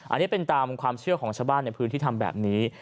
อันนี้เป็นตามความเชื่อของชาวบ้านในพื้นที่ทำแบบนี้